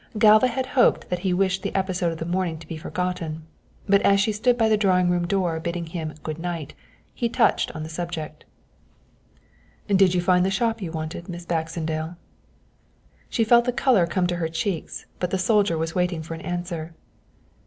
Galva had hoped that he wished the episode of the morning to be forgotten, but as she stood by the drawing room door bidding him "good night" he touched on the subject. "Did you find the shop you wanted, Miss Baxendale?" She felt the colour come to her cheeks, but the soldier was waiting for an answer.